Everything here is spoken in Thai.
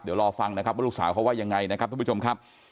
เดี๋ยวรอฟังนะครับว่าลูกสาวเขาว่ายังไงนะครับ